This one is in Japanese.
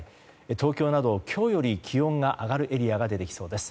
東京など、今日より気温が上がるエリアが出てきそうです。